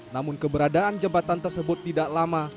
namun keberadaan jembatan tersebut tidak lama